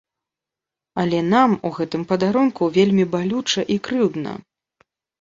Але нам у гэтым падарунку вельмі балюча і крыўдна.